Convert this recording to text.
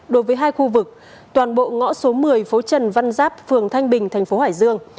đối với hai khu vực toàn bộ ngõ số một mươi phố trần văn giáp phường thanh bình thành phố hải dương